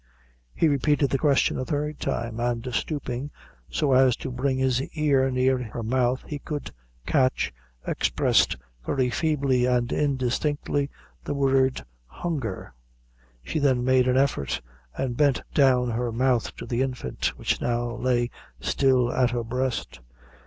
He repeated the question a third time, and, stooping, so as to bring his ear near her mouth, he could catch, expressed very feebly and indistinctly, the word hunger. She then made an effort, and bent down her mouth to the infant which now lay still at her breast.